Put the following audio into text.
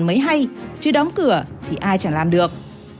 còn mấy hay chứ đóng cửa thì ai chẳng làm được